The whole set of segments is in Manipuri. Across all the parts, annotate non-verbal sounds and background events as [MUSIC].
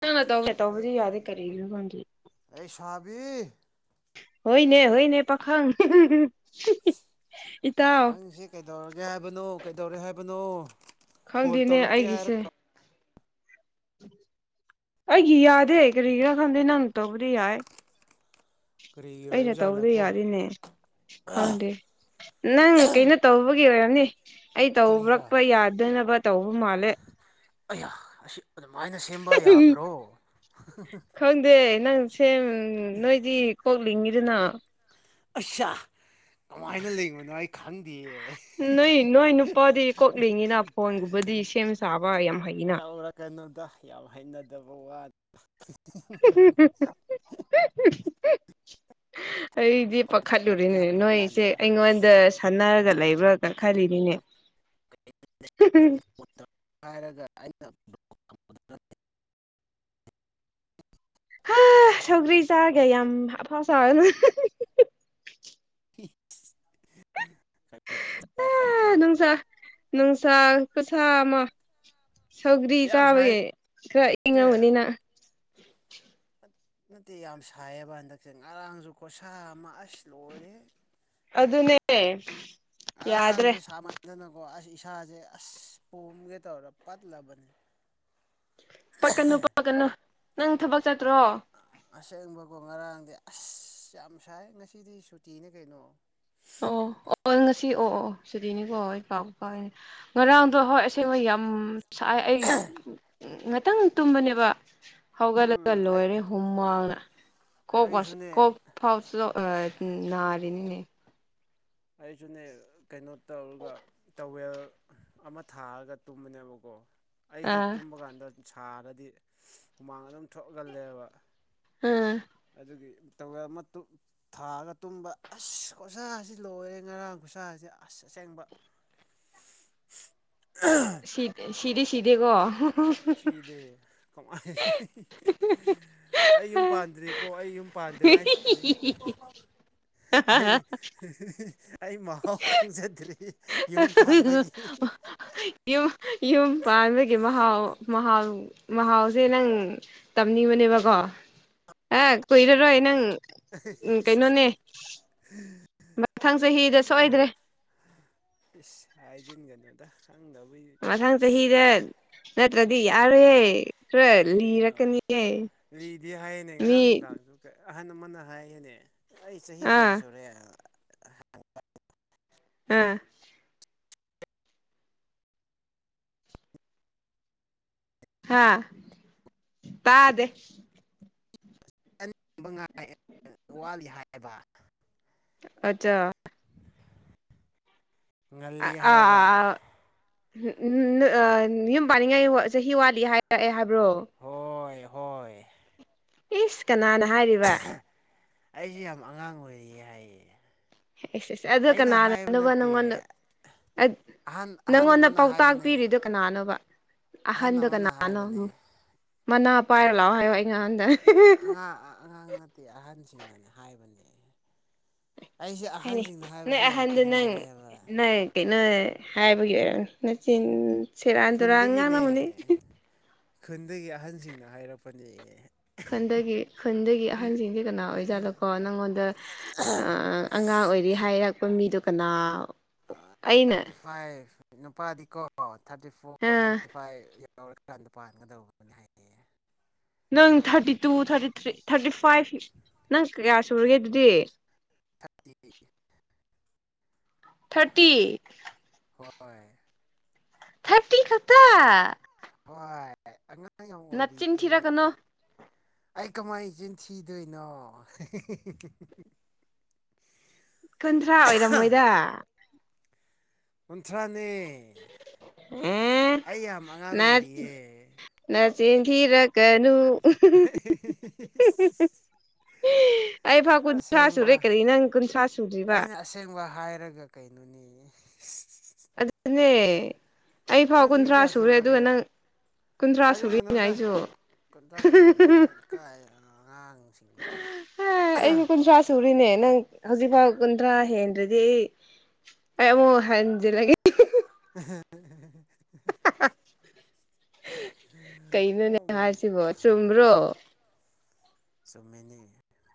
ꯅꯪꯅ ꯇꯧꯒꯦ ꯇꯧꯕꯗꯤ ꯌꯥꯗꯦ ꯀꯔꯤꯒꯤꯅꯣ ꯈꯪꯗ ꯑꯩ ꯁꯕꯤ ꯍꯣꯏꯅꯦ ꯍꯣꯏꯅꯦ ꯄꯥꯈꯪ ꯏꯇꯥꯎ ꯅꯪꯁꯤ ꯀꯩꯗꯧꯔꯒꯦ ꯍꯥꯏꯕꯅꯣ ꯀꯩꯗꯧꯔꯦ ꯍꯥꯏꯕꯅꯣ ꯐꯣꯟ ꯈꯪꯗꯦꯅꯦ ꯇꯧꯔꯛꯀꯦ ꯍꯥꯏꯔ ꯑꯩꯒꯤꯁꯦ ꯑꯩꯒꯤ ꯌꯥꯗꯦ ꯀꯔꯤꯒꯤꯔꯥ ꯈꯪꯗꯦ ꯅꯪ ꯇꯧꯕꯗꯤ ꯌꯥꯏ ꯀꯔꯤꯒꯤ ꯑꯩꯅ ꯇꯧꯕꯗꯤ ꯑꯣꯏꯕꯖꯥꯠꯂꯀꯣ ꯌꯥꯗꯤꯅꯦ ꯈꯪꯗꯦ ꯅꯪ ꯀꯩꯅꯣ ꯇꯧꯕꯒꯤ ꯑꯣꯏꯔꯅꯤ ꯑꯩ ꯀꯔꯤꯔꯥ ꯇꯧꯔꯛꯄ ꯌꯥꯗꯅꯕ ꯇꯧꯕ ꯃꯥꯜꯂꯦ ꯑꯌꯥ ꯑꯁꯤ ꯑꯗꯨꯃꯥꯏꯅ ꯁꯦꯝꯕ ꯌꯥꯕ꯭ꯔꯣ ꯗ ꯅꯪ ꯁꯦꯝ ꯅꯣꯏꯗꯤ ꯀꯣꯛꯂꯤꯉꯤꯗꯅ ꯑꯁꯁ ꯀꯃꯥꯏꯅ ꯂꯩꯕꯅꯣ ꯑꯩ ꯈꯪꯗꯤꯌꯦ ꯅꯣꯏ ꯅꯣꯏ ꯅꯨꯄꯥꯗꯤ ꯀꯣꯛꯂꯤꯉꯤꯅ ꯐꯣꯟꯒꯨꯝꯕꯗꯤ ꯁꯦꯝ ꯁꯥꯕ ꯌꯥꯝ ꯍꯩꯅ ꯀꯩꯅꯣꯗ ꯌꯥꯝ ꯍꯩꯅꯗꯕ ꯋꯥꯗ UNINTELLIGIBLE UNINTELLIGIBLE ꯑꯩꯗꯤ ꯄꯥꯈꯠꯂꯨꯔꯤꯅꯤꯅꯦ ꯍꯥꯏꯕ ꯅꯣꯏꯁꯦ ꯀꯥꯟꯗ ꯑꯩꯉꯣꯟꯗ ꯈꯟꯅꯔꯒ ꯂꯩꯕ꯭ꯔꯥꯒ ꯈꯜꯂꯤꯅꯤꯅꯦ ꯍꯥꯏꯔꯒ ꯑꯩꯅ ꯍꯥ ꯁꯒ꯭ꯔꯤ ꯆꯥꯔꯒꯦ ꯌꯥꯝ ꯍꯥ ꯐ ꯁꯥꯒꯅꯨ ꯅꯨꯡꯁꯥ UNINTELLIGIBLE ꯅꯨꯡꯁꯥ ꯀꯁꯥ ꯑꯃ ꯁꯧꯒ꯭ꯔꯤ ꯌꯥꯝ ꯁꯥꯏ ꯆꯥꯕꯒꯤ ꯈꯔ ꯏꯪꯉꯒꯅꯤꯅ ꯐꯠ ꯅꯠꯇꯦ ꯌꯥꯝ ꯁꯥꯏꯌꯦꯕ ꯍꯟꯗꯛꯁꯦ ꯉꯔꯥꯡꯁꯨ ꯈꯣꯁꯥ ꯑꯃ ꯑꯁ ꯂꯣꯏꯔꯦ ꯑꯗꯨ ꯑꯗꯨꯅꯦ ꯌꯥꯗ꯭ꯔꯦ ꯑꯔꯥꯡꯁꯦ ꯁꯥꯃꯟꯗꯅꯀꯣ ꯑꯁ ꯏꯁꯥꯁꯦ ꯑꯁ ꯄꯣꯝꯒꯦ ꯇꯧꯔ ꯄꯠꯂꯕꯅꯤ ꯄꯛꯀꯅꯨ ꯄꯛꯀꯅꯨ ꯅꯪ ꯊꯕꯛ ꯆꯠꯇ꯭ꯔꯣ ꯑꯁꯦꯡꯕꯀꯣ ꯉꯔꯥꯡꯗꯤ ꯑꯁ ꯌꯥꯝ ꯁꯥꯏ ꯉꯁꯤꯗꯤ ꯁꯨꯇꯤꯅꯦ ꯀꯩꯅꯣ ꯑꯣ ꯑꯣ ꯉꯁꯤ ꯑꯣ ꯑꯣ ꯁꯨꯗꯤꯅꯤꯀꯣ ꯑꯩ ꯀꯥꯎ ꯀꯥꯎꯏꯅꯦ ꯉꯔꯥꯡꯗꯣ ꯑꯍꯣꯏ ꯑꯁꯦꯡ ꯍꯣꯏ ꯌꯥꯝ ꯥꯏ ꯑꯩ ꯉꯥꯛꯇꯪ ꯇꯨꯝꯕꯅꯦꯕ ꯍꯧꯒꯠꯂꯒ ꯎꯝ ꯑꯩ ꯂꯣꯏꯔꯦ ꯍꯨꯝ ꯀꯣ ꯑꯩꯁꯨꯅꯦ ꯀꯣ ꯐꯥꯎꯁꯨ ꯅꯥꯔꯅꯤꯅꯦ ꯑꯩꯁꯨꯅꯦ ꯀꯩꯅꯣ ꯇꯧꯔꯒ ꯇꯧꯋꯦꯜ ꯑꯃ ꯊꯥꯔꯒ ꯇꯨꯝꯕꯅꯦꯕꯀꯣ ꯑꯩꯗꯤ ꯑꯥ ꯇꯨꯝꯕ ꯀꯥꯟꯗ ꯁꯥꯔꯗꯤ ꯍꯨꯃꯥꯡ ꯑꯗꯨꯝ ꯊꯣꯛꯍꯜꯂꯦꯕ ꯑꯥ UNINTELLIGIBLE ꯊꯥꯛꯑꯒ ꯇꯨꯝꯕ ꯑꯁ ꯈꯨꯠꯁꯥꯁꯤ ꯂꯣꯏꯔꯦ ꯉꯔꯥꯡ ꯈꯨꯠꯁꯥꯁꯤ ꯑꯁ ꯑꯁꯦꯡꯕ ꯑ ꯁꯤ ꯁꯤꯗꯦ ꯁꯤꯗꯦꯀꯣ ꯁꯤꯗ ꯀꯃꯥꯏ ꯑꯩ ꯌꯨꯝ ꯄꯥꯟꯗ꯭ꯔꯤꯀꯣ ꯑꯩ ꯌꯨꯝ ꯄꯥꯟꯗ꯭ꯔꯦ ꯍꯥꯏꯁꯤꯅꯤ ꯑꯩ ꯑꯩ ꯃꯍꯥꯎ ꯈꯪꯖꯗ꯭ꯔꯤ ꯌꯨꯝ ꯄꯥꯟꯕꯒꯤ ꯌꯨꯝ ꯌꯨꯝ ꯄꯥꯟꯕꯒꯤ ꯃꯍꯥꯎ ꯃꯍꯥꯎ ꯃꯍꯥꯎꯁꯦ ꯅꯪ ꯇꯝꯅꯤꯡꯕꯅꯦꯕꯀꯣ ꯑꯦ ꯀꯨꯏꯔꯔꯣꯏ ꯅꯪ ꯀꯩꯅꯣꯅꯦ ꯃꯊꯪ ꯆꯍꯤꯗ ꯎꯝ ꯁꯣꯏꯗ꯭ꯔꯦ ꯏꯁ ꯍꯥꯏꯥꯏꯖꯟꯒꯅꯣꯗꯥꯛ ꯈꯪꯗꯕꯨ ꯃꯊꯪ ꯆꯍꯤꯗ ꯅꯠꯇ꯭ꯔꯗꯤ ꯌꯥꯔꯣꯏꯍꯦ ꯈꯔ ꯀꯩꯒꯤꯅꯣ ꯂꯤꯔꯛꯀꯅꯤꯍꯦ ꯑꯗꯨꯗꯤ ꯍꯥꯏꯅꯦ ꯃꯤ ꯉꯔꯥꯡ ꯅꯨꯡꯗꯥ ꯑꯍꯜꯃꯟꯅ ꯍꯥꯏꯒꯅꯦ ꯑꯩ ꯆꯍꯤ ꯀꯌꯥ ꯑꯥ ꯁꯨꯔꯦ ꯑ ꯍꯥꯥ ꯇꯥꯗꯦ ꯋꯥꯠꯂꯤ ꯍꯥꯏꯕ ꯑꯆꯥ ꯉꯜꯂꯤ ꯍꯥꯏꯕ ꯑꯥ ꯌꯨꯝ ꯄꯥꯅꯤꯡꯉꯥꯏ ꯆꯍꯤ ꯋꯥꯠꯂꯤ ꯍꯥꯏꯔꯛꯑꯦ ꯍꯥꯏꯕ꯭ꯔꯣ ꯍꯣꯏ ꯍꯣꯏ ꯏꯁ ꯀꯅꯥꯅ ꯍꯥꯏꯔꯤꯕ ꯑꯩꯁ ꯌꯥꯝ ꯑꯉꯥꯡ ꯑꯣꯏꯔꯤꯌꯦ ꯍꯥꯏꯌꯦ ꯁ ꯑꯦꯁ ꯑꯗꯣ ꯑꯩꯅ ꯍꯥꯏꯕ ꯀꯅꯥꯅꯅꯕ ꯅꯠꯇꯦ ꯅꯪꯉꯣꯟꯗ ꯑꯍꯟ ꯑꯍꯟ ꯅꯪꯉꯣꯟꯗ ꯑꯃꯅ ꯄꯥꯎꯇꯥꯛ ꯍꯥꯏꯕꯅꯦ ꯄꯤꯔꯤꯗꯨꯣ ꯀꯅꯥꯅꯣꯕ ꯑꯍꯟ ꯑꯍꯟꯗꯣ ꯑꯃꯅ ꯀꯅꯥꯅꯣ ꯍꯥꯏꯕꯅꯦ ꯃꯅꯥ ꯄꯥꯏꯔ ꯂꯥꯛꯑꯣ ꯍꯥꯏꯌꯣ ꯑꯩ ꯉꯍꯟꯗ [INAUDIBLE] ꯑꯇꯩ ꯑꯍꯟꯁꯤꯡꯅꯅꯦ ꯍꯥꯏꯕꯅꯦ ꯑꯩꯁꯦ ꯍꯥꯏꯅꯤ ꯑꯍꯟꯁꯤꯡꯅ ꯅꯣꯏ ꯍꯥꯏꯕꯁꯤ ꯌꯥꯝ ꯑꯍꯟꯗꯣ ꯅꯪ ꯏꯟꯕꯅꯦꯕ ꯅꯣꯏ ꯀꯩꯅꯣ ꯍꯥꯏꯕꯒꯤ ꯑꯣꯏꯔꯝ ꯅꯆꯤꯟ ꯁꯦꯔꯥꯟ ꯇꯨꯔꯥꯟ ꯈꯨꯟꯗꯒꯤꯅꯦ ꯉꯥꯡꯂꯝꯅꯕꯅꯤ ꯈꯨꯟꯗꯒꯤ ꯑꯍꯟꯁꯤꯡꯅ ꯍꯥꯏꯔꯛꯄꯅꯦ ꯈꯟꯗꯒꯤ ꯈꯨꯟꯗꯒꯤ ꯑꯍꯟꯁꯤꯡꯁꯦ ꯀꯅꯥ ꯑꯣꯏꯖꯥꯠꯂꯣꯀꯣ ꯅꯪꯉꯣꯟꯗ ꯑꯉꯥꯡ ꯑꯣꯏꯔꯤ ꯍꯥꯏꯔꯛꯄ ꯃꯤꯗꯣ ꯀꯅꯥ ꯑꯩꯅ ꯊꯥꯔꯇꯤ ꯐꯥꯏꯚ ꯅꯨꯄꯥꯗꯤ ꯀꯣ ꯊꯥꯔꯇꯤ ꯐꯣꯔ ꯑ ꯊꯥꯔꯇꯤ ꯐꯥꯏꯚ ꯇꯧꯔꯀꯥꯟꯗ ꯄꯥꯟꯒꯗꯧꯅꯦ ꯍꯥꯏꯌꯦ ꯅꯪ thirty two thirty three thirty five ꯅꯪ ꯀꯌꯥ ꯁꯨꯔꯒꯦ ꯑꯗꯨꯗꯤ ꯊꯗꯤ ꯊꯥꯔꯇꯤ ꯍꯣꯏ ꯊꯥꯔꯇꯤ ꯈꯠꯇ ꯍꯣꯏ ꯑꯉꯥꯡ ꯌꯥꯝ ꯅꯆꯤꯟ ꯑꯣꯏꯔꯤꯌꯦ ꯊꯤꯔꯛꯀꯅꯣ ꯑꯩ ꯀꯃꯥꯏꯅ ꯆꯤꯟ ꯊꯤꯗꯣꯏꯅꯣ [INAUDIBLE] ꯀꯨꯟꯊ꯭ꯔꯥ ꯑꯣꯏꯔꯝꯃꯣꯏꯗ ꯀꯨꯟꯊ꯭ꯔꯥꯅꯦ ꯑꯦ ꯑꯩ ꯌꯥꯝ ꯑꯉꯥꯡ ꯑꯣꯏꯔꯤꯌꯦ ꯅꯆꯤꯟꯊꯤꯔꯛꯒꯅꯨ [UNINTELLIGIBLE] ꯑꯩ ꯐꯥ ꯀꯨꯟꯊ꯭ꯔꯥ ꯁꯨꯔꯦ ꯑꯁꯦꯡꯕ ꯀꯔꯤ ꯅꯪ ꯀꯨꯟꯊ꯭ꯔꯥ ꯁꯨꯗ꯭ꯔꯤꯕ ꯑꯩꯅ ꯑꯁꯦꯡꯕ ꯍꯥꯏꯔꯒ ꯀꯩꯅꯣꯅꯦ ꯑꯗꯨꯅꯦ ꯑꯩ ꯐꯥꯎ ꯅꯪ ꯆꯍꯤ ꯀꯨꯟꯊ꯭ꯔꯥ ꯀꯌꯥ ꯁꯨꯔꯦ ꯑꯗꯨꯒ ꯁꯨꯔꯒꯦ ꯅꯪ ꯀꯨꯟꯊ꯭ꯔꯥ ꯁꯨꯕꯤꯅꯦ ꯍꯥꯏꯖꯤꯟꯒꯅꯨꯗ ꯑꯩꯁꯨ ꯏꯀꯥꯏ ꯑꯉꯥꯡꯁꯤꯡ [UNINTELLIGIBLE] ꯑꯩꯁꯨ ꯀꯨꯟꯊ꯭ꯔꯥ ꯁꯨ ꯁꯨꯔꯤꯅꯦ ꯅꯪ ꯍꯧꯖꯤꯛꯐꯥꯎ ꯀꯨꯟꯊ꯭ꯔꯥ ꯍꯦꯟꯗ꯭ꯔꯗꯤ ꯑꯩ ꯑꯩ ꯑꯃꯨꯛ ꯍꯟꯖꯤꯜꯂꯒꯦ [INAUDIBLE] ꯀꯩꯅꯣꯅꯦ ꯑꯣ ꯃꯥꯏ ꯍꯥꯏꯁꯤꯕꯣ ꯆꯨꯝꯕ꯭ꯔꯣ ꯆꯨꯝꯃꯤꯅꯤ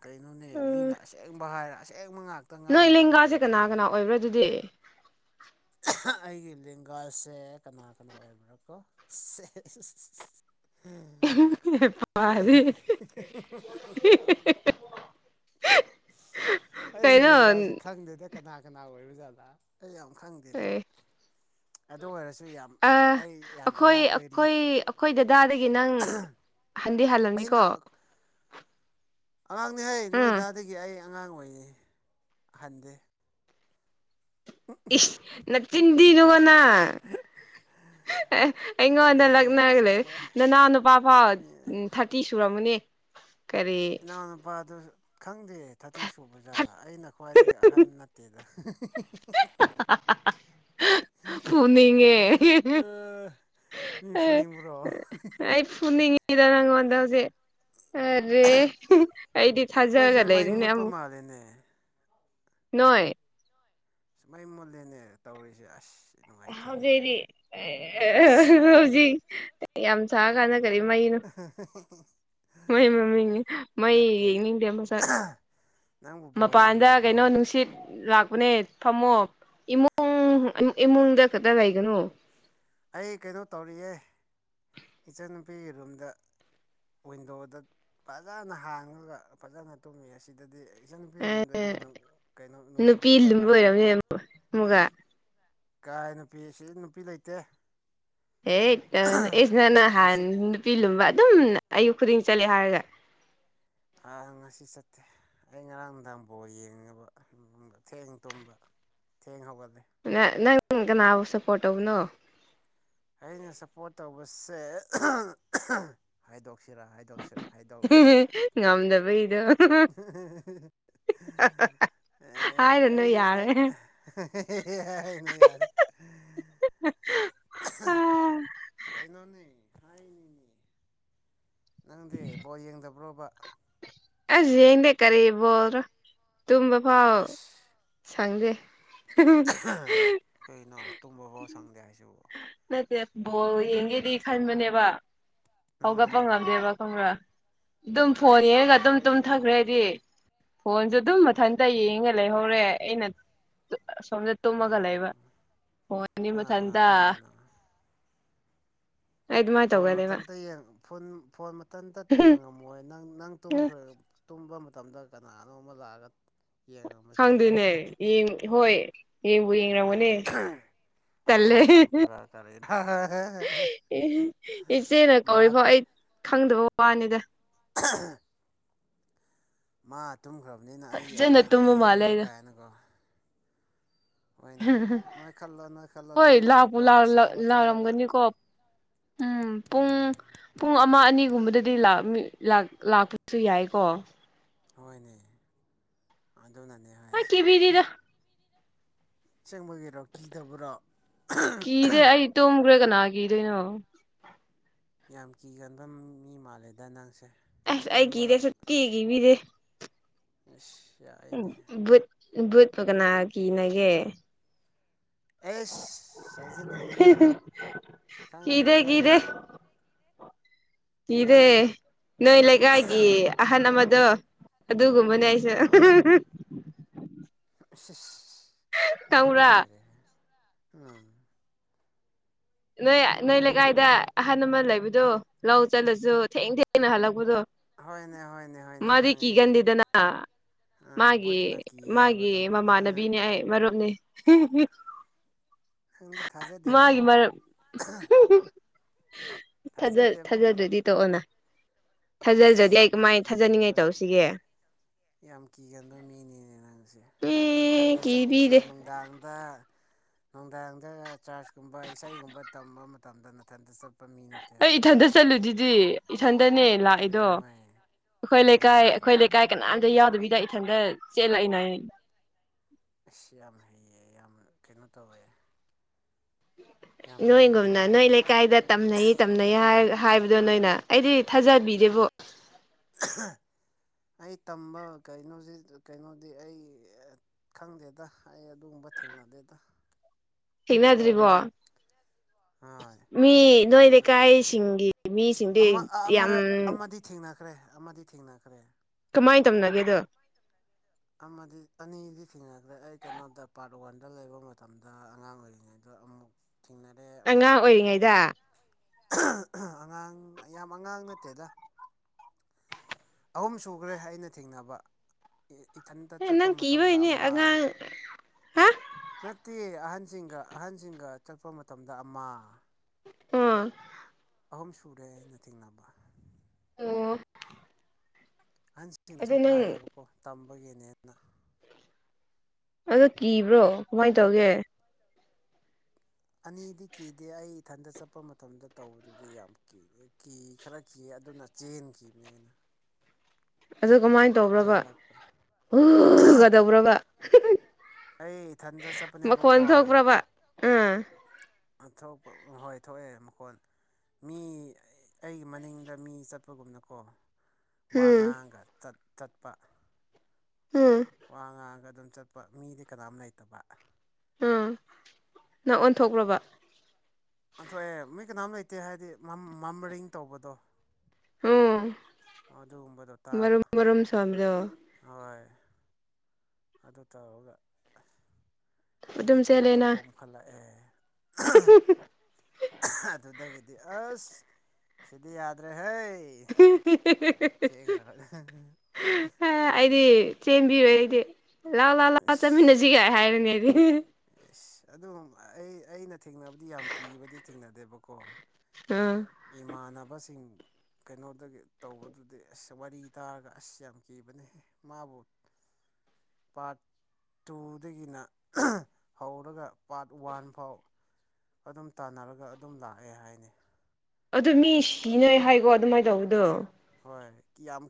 ꯀꯩꯅꯣꯅꯦ ꯎꯝ ꯃꯤꯅ ꯑꯁꯦꯡꯕ ꯍꯥꯏꯔ ꯑꯁꯦꯡꯕ ꯉꯥꯛꯇ ꯡꯇ ꯅꯣꯏ ꯉꯥꯏ ꯂꯦꯡꯒꯥꯁꯦ ꯀꯅꯥ ꯀꯩꯅꯣꯅꯦ ꯀꯅꯥ ꯑꯣꯏꯕ꯭ꯔꯥ ꯑꯗꯨꯗꯤ ꯑꯩꯒꯤ ꯂꯦꯡꯒꯥꯁꯦ ꯀꯅꯥ ꯀꯅꯥ ꯑꯣꯏ [UNINTELLIGIBLE] ꯁꯦ ꯍꯥꯏꯗꯤ [UNINTELLIGIBLE] ꯑꯩꯒꯤ ꯀꯩꯅꯣ ꯑ ꯂꯦꯡꯒꯥꯁꯤ ꯈꯪꯗꯦꯗ ꯀꯅꯥ ꯀꯅꯥ ꯑꯣꯏꯕꯖꯥꯠꯂ ꯑꯩ ꯌꯥꯝ ꯈꯪꯗꯦꯅꯦ ꯑꯗꯨ ꯑꯣꯏꯔꯁꯨ ꯌꯥꯝ ꯑ ꯑꯩ ꯌꯥꯝ ꯑꯩꯈꯣꯏ ꯑꯉꯥꯡ ꯑꯣꯏꯔꯤ ꯑꯩꯈꯣꯏ ꯑꯩꯈꯣꯏ ꯗꯗꯥꯗꯒꯤ ꯅꯪ ꯍꯟꯗꯤ ꯍꯥꯜꯂꯝꯅꯤꯀꯣ ꯑꯉꯥꯡꯅꯤ ꯍꯦ ꯎꯝ ꯅꯣꯏꯗꯥꯗꯒꯤ ꯑꯩ ꯑꯉꯥꯡ ꯑꯣꯏꯑꯦ ꯍꯟꯗꯦ ꯏꯁ ꯅꯆꯤꯟ ꯊꯤꯅꯨ ꯀꫭ ꯅꯪ ꯀꯩꯅꯣ ꯑꯩꯉꯣꯟꯗ ꯃꯤꯅ ꯂꯛꯅꯔꯒ ꯂꯩ ꯑꯁꯦꯡꯕ ꯅꯅꯥꯎ ꯅꯨꯄꯥ ꯐꯥꯎ ꯃꯤ ꯊꯥꯔ ꯇꯤ ꯁꯨꯔꯝꯃꯨꯅꯦ ꯏꯅꯥꯎꯅꯨꯄꯥꯗꯨꯁꯨ ꯈꯪꯗꯦ ꯊꯥꯔꯇꯤ ꯁꯨꯕ ꯖꯠꯂ ꯑꯩꯅ ꯈ꯭ꯋꯥꯏꯗꯒꯤ ꯑꯍꯟ ꯅꯠꯇꯦꯗ ꯐꯨꯅꯤꯡꯉꯦ ꯃꯤꯐꯨꯅꯤꯡꯕ꯭ꯔꯣ ꯑꯩ ꯐꯨꯅꯤꯡꯉꯤꯗ ꯅꯪꯑꫭꯟꯗ ꯍꯧꯖꯤꯛ ꯑꯔꯦ ꯑꯩꯗꯤ ꯊꯥꯖꯔꯒ ꯑꯩꯈꯣꯏꯁꯦ ꯃꯩ ꯂꯩꯔꯤꯅꯦ ꯃꯨꯠꯄ ꯑꯃꯨꯛ ꯃꯥꯜꯂꯦꯅꯦ ꯅꯣꯏ ꯃꯩ ꯃꯨꯠꯂꯦꯅꯦ ꯇꯧꯔꯤꯁꯦ ꯑꯁ ꯅꯨꯡꯉꯥꯏꯇꯦꯍꯦ ꯍꯧꯖꯤꯛꯗꯤ [UNINTELLIGIBLE] ꯍꯧꯖꯤꯛ ꯌꯥꯝ ꯆꯔ ꯀꯥꯟꯗ ꯀꯔꯤ ꯃꯩ [INAUDIBLE] ꯃꯩ ꯃꯃꯤꯡꯅꯤ ꯃꯩ ꯅꯠꯇꯦ ꯌꯦꯡꯅꯤꯡꯗꯦ ꯃꯁꯛ ꯅꯪꯕꯨ ꯕꯣꯜ ꯃꯄꯥꯟꯗ ꯌꯦꯡꯗꯕ꯭ꯔꯣ ꯀꯩꯅꯣ ꯅꯨꯡꯁꯤꯠ ꯂꯥꯛꯄꯅꯦ ꯐꯝꯃꯣ ꯏꯃꯨꯡ ꯏꯃꯨꯡꯗ ꯈꯛꯇ ꯂꯩꯒꯅꯨ ꯑꯩ ꯀꯩꯅꯣ ꯇꯧꯔꯤꯌꯦ ꯏꯤꯆꯟꯅꯨꯄꯤꯒꯤ ꯔꯨꯝꯗ ꯋꯤꯟꯗꯣꯗ ꯐꯖꯅ ꯍꯥꯡꯉꯒ ꯐꯖꯅ ꯇꯨꯝꯃꯤ ꯑꯁꯤꯗꯗꯤ ꯏꯤꯆꯟꯅꯨꯄꯤ ꯔꯨꯝꯗꯗꯤ ꯀꯩꯅꯣ ꯅꯨꯡꯁꯤꯠ ꯈꯔ ꯂꯥꯛꯑꯦꯕ [UNINTELLIGIBLE] ꯑꯃꯒꯥ ꯀꯥꯏ ꯅꯨꯄꯤ ꯁꯤꯗ ꯅꯨꯄꯤ ꯂꯩꯇꯦ ꯍꯦꯠ ꯅꯪ ꯏꯁ ꯅꯪ ꯅꯍꯥꯟ ꯅꯨꯡꯁꯤꯠ ꯅꯨꯄꯤ ꯂꯨꯝꯕ ꯑꯗꯨꯝ ꯑꯌꯨꯛ ꯈꯨꯗꯤꯡ ꯆꯠꯂꯦ ꯍꯥꯏꯔꯒ ꯑꯪ ꯉꯁꯤ ꯆꯠꯇꯦ ꯑꯩ ꯉꯔꯥꯡ ꯅꯨꯡꯗꯥꯡ ꯕꫭꯜ ꯌꯦꯡꯉꯦꯕ ꯊꯦꯡꯅ ꯇꯨꯝꯕ ꯊꯦꯡ ꯍꯧꯒꯠꯂꯦ ꯅ ꯅꯪ ꯀꯅꯥꯕꯨ ꯁꯞꯄꯣꯔꯠ ꯇꯧꯕꯅꯣ ꯑꯩꯅ ꯁꯞꯄꯣꯔꯠ ꯇꯧꯕꯁꯦ ꯑꯍ ꯑꯍ ꯍꯥꯏꯗꯣꯛꯁꯤꯔꯥ ꯍꯥꯏꯗꯣꯛꯁꯤꯔ ꯍꯥꯏꯗꯣꯛꯑꫭꯏꯁꯤꯔꯥ ꯉꯝꯗꯕꯩꯗꯣ ꯑꯍꯥ ꯑꯍꯥ ꯑꯍꯥ ꯑꯍꯥ ꯍꯥꯏꯔꯅꯨ ꯑꯍꯦ ꯌꯥꯔꯦ ꯑꯦ ꯑꯩ ꯌꯥꯅ ꯌꯥꯔꯦ [INAUDIBLE] ꯀꯩꯅꯣꯅꯦ ꯍꯥꯏꯅꯤꯅꯦ ꯅꯪꯗꯤ ꯕꯣ ꯌꯦꯡꯗꯕ꯭ꯔꯣꯕ ꯑꯁ ꯌꯦꯡꯗꯦ ꯀꯔꯤꯕꯔꯤꯕꯣꯔꯣ ꯇꯨꯝꯕ ꯐꯥꯎ ꯑꯁ ꯁꯪꯗꯦ ꯀꯩꯅꯣ ꯇꯨꯝꯕ ꯐꯥꯎ ꯁꯪꯗꯦ ꯍꯥꯏꯁꯤꯕ ꯅꯠꯇꯦ ꯕꯣꯜ ꯌꯦꯡꯒꯦꯗꯤ ꯈꯟꯕꯅꯦꯕ ꯍꯧꯒꯠꯄ ꯎꯝ ꯉꯝꯗꯦꯕ ꯀꯪ꯭ꯔꯥ ꯑꯗꯨꯝ ꯐꯣꯟ ꯌꯦꯡꯉꯒ ꯑꯗꯨꯝ ꯍꯣꯏꯗ ꯇꯨꯝꯊꯈ꯭ꯔꯦꯗꯤ ꯐꯣꯟꯁꯨ ꯑꯗꯨꯝ ꯍꯩ ꯃꯊꯟꯇ ꯌꯦꯡꯉ ꯂꯩꯍꯧꯔꯦ ꯑꯩꯅ ꯁꯣꯝꯗ ꯇꯨꯝꯃꯒ ꯑꯥ ꯂꯩꯕ ꯍꯣꯡ ꯑꯅꯤ ꯀꯅꯥ ꯀꯅꯥ ꯃꯊꯟꯇ ꯇꯨꯝꯃꯤꯅꯣ ꯑꯩ ꯑꯗꯨꯃꯥꯏꯅ ꯐꯣꯟ ꯇꯧꯒꯜꯂꯦꯕ ꯃꯊꯟꯇ ꯐꯣꯟ ꯃꯊꯟꯇ ꯌꯦꯡꯉꯝꯃꯣꯏ ꯅꯪ ꯅꯪ ꯇꯨꯝꯈ꯭ꯔꯦ ꯇꯨꯝꯕ ꯃꯇꯝꯗ ꯀꯅꯥꯅꯣ ꯑꯃ ꯂꯥꯛꯑꯒ ꯌꯦꯡꯉꯝꯕꯁꯨ ꯌꯥꯏ ꯈꯪꯗꯦꯅꯦ ꯌꯦꯡ ꯍꯣꯏ ꯌꯦꯡꯕꯨ ꯌꯦꯡꯂꯝꯒꯅꯤ ꯇꯜꯂꯦ ꯃꯁꯝ ꯁꯝꯕ꯭ꯔꯥ ꯀꯔꯤꯔꯥ ꯏꯆꯦꯅ ꯃꯥ ꯀꯧꯔꯦꯀꫭ ꯑꯩ ꯈꯪꯗꯕ ꯋꯥꯅꯤꯗ ꯑꯍꯥ ꯃꯥ ꯇꯨꯝꯈ꯭ꯔꯕꯅꯤꯅ ꯐꯖꯅ ꯑꯩꯑꫭꯏꯅ ꯇꯨꯝꯕ ꯃꯥꯜꯂꯦ ꯌꯦꯡꯒꯦ ꯑꯩꯗꯣ ꯀꯥꯏꯅꯀꯣ ꯍꯣꯏꯅꯦ ꯅꯣꯏ ꯈꯜꯂꯣ ꯅꯣꯏ ꯈꯜꯂꯣ ꯍꯣꯏ ꯇꯨꯝꯃꯒ ꯂꯥꯛꯄꯨ ꯀꯣ ꯆꯥꯕ ꯊꯛꯑꯒ ꯂꯥꯎꯔꯝꯒꯅꯤꯀꯣ ꯎꯝ ꯄꯨꯡ ꯄꯨꯡ ꯑꯃ ꯑꯅꯤꯒꯨꯝꯕꯗꯗꯤ ꯂꯥꯛꯑꯝꯃꯤ ꯂꯥꯛ ꯂꯥꯛꯄꯁꯨ ꯌꯥꯏꯀꯣ ꯍꯣꯏꯅꯦ ꯑꯗꯨꯅꯅꯦ ꯑ ꯍꯥꯏꯁꯦ ꯀꯤꯕꯤꯗꯤꯗ ꯑꯁꯦꯡꯕꯒꯤꯔꯣ ꯀꯤꯗꯕꯔꯣ ꯀꯤꯗꯦ ꯑꯩ ꯇꯨꯝꯒ꯭ꯔꯦ ꯀꯅꯥ ꯀꯤꯗꯣꯏꯅꯣ ꯌꯥꯝ ꯀꯤꯒꯟꯕ ꯃꯤ ꯃꯥꯜꯂꯦꯗ ꯅꯪꯁꯦ ꯑꯩ ꯀꯤꯗꯦ ꯈꯪꯒꯟꯕ ꯁꯨꯡꯀꯤ ꯀꯤꯕꯤꯗꯦ ꯑꯁ ꯌꯥꯏ ꯕꯨꯠ ꯕꯨꯠꯄꯨ ꯀꯅꯥ ꯀꯤꯅꯒꯦ ꯑꯦꯁ ꯍꯥꯏꯖꯤꯟꯅꯅꯨꯗ ꯀꯤꯗꯦ ꯈꯪꯉꯦꯗ ꯀꯤꯗꯦ ꯂꯣꯏꯅ ꯦ [INAUDIBLE] ꯀꯤꯗꯦ ꯅꯣꯏ ꯂꯩꯀꯥꯏꯒꯤ ꯑꯍꯟ ꯑꯃꯗꯣ ꯑꯗꯨꯒꯨꯝꯕꯅꯦ ꯑꯩꯁꯨ ꯑ ꯑꯁ ꯑꯁ ꯈꯪꯕ꯭ꯔꯥ ꯂꫭꯏꯔꯦꯈꯦ ꯎꯝ ꯅꯣꯏ ꯅꯣꯏ ꯂꯩꯀꯥꯏꯗ ꯑꯍꯜ ꯑꯃ ꯂꯩꯕꯗꯣ ꯂꯧ ꯆꯠꯂꯖꯨ ꯊꯦꯡ ꯊꯦꯡꯅ ꯍꯜꯂꯛꯄꯗꯣ ꯍꯣꯏꯅꯦ ꯍꯣꯏꯅꯦ ꯍꯣꯏꯅꯦ ꯃꯥꯗꯤ ꯈꯪꯉꯤꯅꯦ ꯀꯤꯒꯟꯗꯦꯗꯅꯥ ꯑꯥ ꯃꯥꯒꯤ ꯕꯨꯠꯅ ꯀꯤꯌꯦ ꯃꯥꯒꯤ ꯍꯥꯏꯕꯗꯣ ꯃꯃꯥꯟꯅꯕꯤꯅꯦ ꯑꯩ ꯃꯔꯨꯞꯅꯤ ꯅꯪꯗꯤ ꯊꯥꯖ ꯗꯦꯕꯣ ꯃꯔꯨꯞ ꯑꯍ ꯊꯥꯖ ꯊꯥꯖꯗ꯭ꯔꯗꯤ ꯇꫭꯛꯎꯅ ꯊꯥꯖꯗ꯭ꯔꯗꯤ ꯏꯁ ꯑꯩ ꯌꯥꯝ ꯀꯃꯥꯏ ꯊꯥꯖꯅꯤꯡꯉꯥꯏ ꯀꯤꯒꯟꯕ ꯇꯧꯁꯤꯒꯦ ꯌꯥꯝ ꯀꯤꯒꯟꯕ ꯃꯤꯅꯤꯅꯦ ꯅꯪꯁꯦ ꯑꯦ ꯅꯊꯟꯇ ꯆꯠꯄꯁꯨ ꯀꯤꯕꯤꯗꯦ ꯅꯨꯡꯗꯥꯡꯗ ꯅꯨꯡꯗꯥꯡꯗ ꯆꯥꯔꯁꯀꯨꯝꯕ ꯏꯁꯩꯒꯨꯝꯕ ꯇꯝꯕ ꯃꯇꯝꯗ ꯅꯊꯟꯇ ꯆꯠꯄ ꯃꯤꯅꯠ ꯑꯩ ꯏꯊꯟꯗ ꯆꯠꯂꯤꯗꯨꯗꯤ ꯏꯊꯟꯗꯅꯦ ꯂꯥꯛꯏꯗꯣ ꯀꯩꯗꯧꯉꯩ ꯑꯩꯈꯣꯏ ꯂꯩꯀꯥꯏ ꯀꯩꯗꯧꯉꯩ ꯑꯩꯈꯣꯏ ꯂꯩ ꯒꯥꯏ ꯀꯅꯥꯝꯇ ꯌꯥꯎꯗꯕꯤꯗ ꯏꯊꯟꯇ ꯆꯦꯜꯂꯛꯏꯅ ꯑꯁ ꯌꯥꯝ ꯍꯩꯌꯦ ꯌꯥꯝ ꯀꯩꯅꯣ ꯇꯧꯋꯦ ꯌꯥꯝ ꯅꯣꯏ ꯒꯨꯝꯗ ꯅꯣꯏ ꯂꯤꯡꯉꯦꯅ ꯂꯩ ꯂꯩꯀꯥꯏꯗ ꯇꯝꯅꯩ ꯇꯝꯅꯩ ꯍꯥꯏꯕꯗꯣ ꯅꯣꯏꯅ ꯑꯩꯗꯤ ꯊꯥꯖꯕꯤꯗꯦꯕꯣ ꯑꯩ ꯇꯝꯕ ꯀꯩꯅꯣꯁꯤ ꯀꯩꯅꯣꯗꯤ ꯑꯩ ꯈꯪꯗꯦꯗ ꯑꯩ ꯑꯗꯨꯒꯨꯝꯕ ꯊꯦꯡꯅꯗꯦꯗ ꯊꯦꯡꯅꯗ꯭ꯔꯤꯕꯣ ꯍꯣꯏ ꯃꯤ ꯑꯩ ꯅꯣꯏ ꯑꯗꯨꯒꯨꯝꯕ ꯊꯦꯡꯅꯗ꯭ꯔꯤ ꯂꯩꯀꯥꯏꯁꯤꯡꯒꯤ ꯃꯤꯁꯤꯡꯗꯤ ꯑꯃ ꯌꯥꯝ ꯑꯃꯔꯛ ꯑꯃꯗꯤ ꯊꯦꯡꯅꯈ꯭ꯔꯦ ꯑꯃꯗꯤ ꯊꯦꯡꯅꯈ꯭ꯔꯦ ꯀꯃꯥꯏꯅ ꯇꯧꯅꯒꯦꯗꯣ ꯑꯃꯗꯤ ꯑꯅꯤꯗꯤ ꯊꯦꯡꯅꯈ꯭ꯔꯦ ꯑꯩ ꯀꯩꯅꯣꯗ ꯄꯥꯔꯠ ꯋꯥꯟꯗ ꯂꯩꯕ ꯃꯇꯝꯗ ꯑꯉꯥꯡ ꯑꯣꯏꯔꯤꯉꯩꯗ ꯑꯃꯨꯛ ꯊꯦꯡꯅꯔꯦ ꯑꯉꯥꯡ ꯑꯃꯨꯛꯀ ꯑꯣꯏꯔꯤꯉꯩꯗ ꯑꯍ ꯑꯍ ꯑꯉꯥꯡ ꯌꯥꯝ ꯑꯉꯥꯡ ꯅꯠꯇꯦꯗ ꯑꯍꯨꯝ ꯁꯨꯈ꯭ꯔꯦ ꯑꯩꯅ ꯊꯦꯡꯅꯕ ꯏ ꯏꯊꯟꯇ ꯑꯦ ꯆꯠꯄ ꯅꯪ ꯃꯇꯝꯗ ꯀꯤꯕꯩꯅꯦ ꯑꯃ ꯑꯉꯥꯡ ꯍꯥ ꯅꯠꯇꯦ ꯑꯍꯟꯁꯤꯡꯒ ꯑꯍꯟꯁꯤꯡꯒ ꯆꯠꯄ ꯃꯇꯝꯗ ꯑꯃ ꯎꯝ ꯑꯍꯨꯝ ꯁꯨꯔꯦ ꯑꯩꯅ ꯊꯦꯡꯅꯕ ꯑꯣ ꯑꯍꯟꯁꯤꯡꯅꯁꯨ ꯑꯗꯨ ꯅꯪ ꯍꯥꯏꯌꯦꯕꯀꯣ ꯇꯝꯕꯒꯤꯅꯦꯅ ꯑꯗꯣ ꯀꯤꯕ꯭ꯔꯣ ꯀꯃꯥꯏꯅ ꯇꯧꯒꯦ ꯑꯅꯤꯗꯤ ꯀꯤꯗꯦ ꯑꯩ ꯏꯊꯟꯇ ꯆꯠꯄ ꯃꯇꯝꯗ ꯇꯧꯕꯗꯨꯗꯤ ꯌꯥꯝ ꯀꯤ ꯀꯤ ꯈꯔ ꯀꯤ ꯑꯗꯨꯅ ꯆꯦꯟꯈꯤꯕꯅꯦ ꯑꯩꯅ ꯑꯗꯨ ꯀꯃꯥꯏꯅ ꯇꯧꯕ꯭ꯔꯕ ꯆꯦꯜꯂꯛꯄ ꯍꯒꯗꯧꯕ꯭ꯔꯕ ꯑꯩ ꯏꯊꯟꯇ ꯆꯠꯄꯅꯦꯕꯀꯣ ꯊꯣꯛꯄ꯭ꯔꯕ ꯑꯥ ꯊꯣꯛꯄ ꯍꯣꯏ ꯊꯣꯛꯑꯦ ꯃꯈꯣꯟꯜ ꯃꯤ ꯑꯩꯒꯤ ꯃꯅꯤꯡꯗ ꯃꯤ ꯆꯠꯄꯒꯨꯝꯅꯀꯣ ꯋꯥ ꯎꯝ ꯉꯥꯡꯒ ꯆꯠ ꯆꯠꯄ ꯎꯝ ꯋꯥ ꯉꯥꯡꯉꯒ ꯑꯗꯨꯝ ꯆꯠꯄ ꯃꯤꯗꯤ ꯀꯅꯥꯝ ꯂꯩꯇꯕ ꯎꯥ ꯅꯪ ꯑꯣꯟꯊꯣꯛꯂ꯭ꯔꯕ ꯊꯣꯛꯑꯦ ꯃꯤꯣꯏ ꯀꯅꯥꯝ ꯂꯩꯇꯦ ꯍꯥꯏꯗꯤ ꯃꯔꯤꯡ ꯇꯧꯕꯗꯣ ꯑꯣ ꯑꯗꯨꯒꯨꯝꯕꯗꯣ ꯇꯥꯕ ꯃꯔꯔꯝ ꯃꯔꯔꯨꯝ ꯁꯖ ꯍꯣꯏ ꯑꯗꯨ ꯇꯧꯔꯒ ꯑꯗꯨꯝ ꯑꯩꯒꯤ ꯆꯦꯜꯂꯦꯅ ꯀꯣꯛꯇꯣꯞꯄꯣꯝꯈꯠꯂꯛꯑꯦ ꯑꯗꯨꯗꯒꯤꯗꯤ ꯑꯁ ꯁꯤꯗꯤ ꯌꯥꯗ꯭ꯔꯦꯍ [UNINTELLIGIBLE] ꯆ ꯀ ꯑꯩꯗꯤ ꯆꯦꯟꯕꯤꯔꯣꯏ ꯑꯩꯗꯤ ꯂꯥꯛꯑꯣ ꯂꯥꯛ ꯂꯥꯛꯑꯣ ꯆꯠꯃꯤꯟꯅꯁꯤꯒꯥꯏ ꯍꯥꯏꯔꯅꯦ ꯑꯩꯗꯤ ꯑꯦꯁ ꯑꯗꯨꯝ ꯑꯩ ꯑꯩꯅ ꯊꯦꯡꯅꯕꯗꯤ ꯌꯥꯝ ꯀꯤꯕꯗꯤ ꯊꯦꯡꯅꯗꯦꯕꯀꯣ ꯎꯝ ꯏꯃꯥꯟꯅꯕꯁꯤꯡ ꯀꯩꯅꯣꯗꯒꯤ ꯇꯧꯕꯗꯨꯗꯤ ꯑꯁ ꯋꯥꯔꯤ ꯇꯥꯔꯒ ꯑꯁ ꯌꯥꯝ ꯀꯤꯕꯅꯦꯍ ꯃꯥꯕꯨꯠ ꯄꯠ ꯇꯨꯗꯒꯤꯅ ꯍꯧꯔꯒ ꯄꯥꯔꯠ ꯋꯥꯟ ꯐꯥꯎ ꯑꯗꯨꯝ ꯇꯥꯟꯅꯔꯒ ꯑꯗꯨꯝ ꯂꯥꯛꯑꯦ ꯍꯥꯏꯅꯤ ꯑꯗꯨ ꯃꯤ ꯁꯤꯅꯣꯏ ꯍꯥꯏꯀꯣ ꯑꯗꯨꯃꯥꯏꯅ ꯇꯧꯕꯗꯣ ꯍꯣꯏ ꯌꯥꯝ